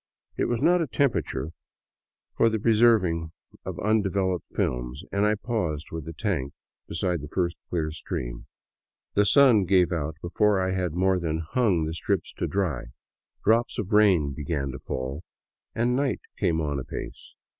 It was not a temperature for the pre 64 ALONG THE CAUCA VALLEY serving of undeveloped films and I paused with the tank beside the first clear stream. The sun gave out before I had more than hung the strips up to dry, drops of rain began to fall, and night came on apace.